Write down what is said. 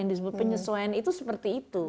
yang disebut penyesuaian itu seperti itu